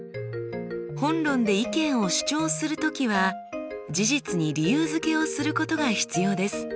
本論で意見を主張する時は事実に理由づけをすることが必要です。